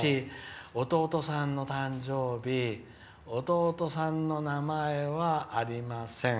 弟さんの誕生日弟さんの名前はありません。